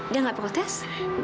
dia gak protes